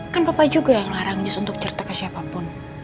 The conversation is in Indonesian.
kan papa juga yang larang jus untuk cerita ke siapapun